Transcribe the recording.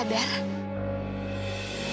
bapak udah sadar